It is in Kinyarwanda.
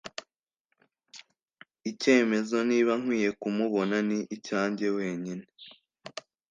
icyemezo niba nkwiye kumubona ni icyanjye wenyine